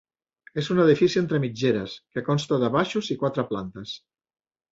És un edifici entre mitgeres que consta de baixos i quatre plantes.